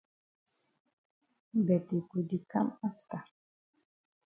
But dey go di kam afta.